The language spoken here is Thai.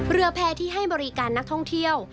เรือแพร่ที่ให้บริการนักท่องเที่ยว